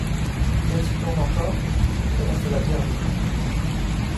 Qu'y a-t-il donc encore ? Il reste la bière vide.